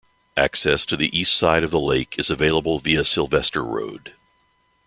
Access to the east side of the lake is available via Sylvester Road.